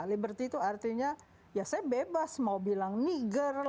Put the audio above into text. liberty itu artinya ya saya bebas mau bilang niger